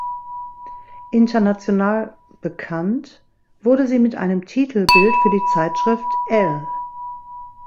International bekannt wurde sie mit einem Titelbild für die Zeitschrift „Elle“.